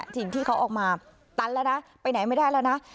สิ่งที่เขาออกมาตันแล้วนะไปไหนไม่ได้แล้วนะ